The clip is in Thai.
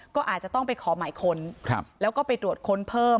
ก็อาจจะต้องไปขอหมายค้นแล้วก็ไปตรวจค้นเพิ่ม